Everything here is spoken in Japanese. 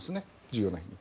重要な。